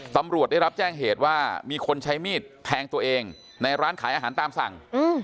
ตำรวจได้รับแจ้งเหตุว่ามีคนใช้มีดแทงตัวเองในร้านขายอาหารตามสั่ง